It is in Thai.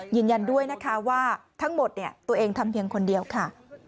ยืนยันด้วยนะคะว่าทั้งหมดตัวเองทำเพียงคนเดียวค่ะ